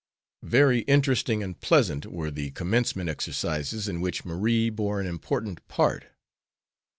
Very interesting and pleasant were the commencement exercises in which Marie bore an important part.